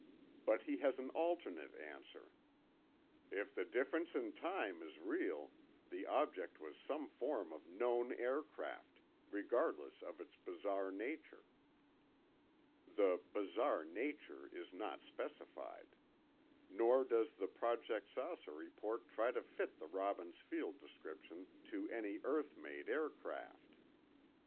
But he has an alternate answer: "If the difference in time is real, the object was some form of known aircraft, regardless of its bizarre nature." The "bizarre nature" is not specified. Nor does the Project "Saucer" report try to fit the Robbins Field description to any earth made aircraft.